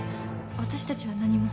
私たちは何も。